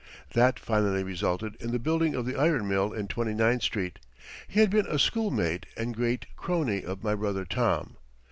That finally resulted in the building of the iron mill in Twenty Ninth Street. He had been a schoolmate and great crony of my brother Tom.